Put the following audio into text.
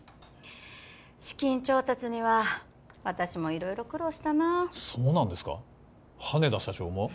資金調達には私も色々苦労したなあそうなんですか羽田社長も？